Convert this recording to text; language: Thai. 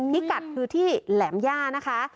พิกัดคือที่แหลมย่านะคะ